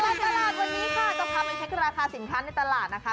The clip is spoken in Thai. ตลอดตลาดวันนี้ค่ะจะพาไปเช็คราคาสินค้าในตลาดนะคะ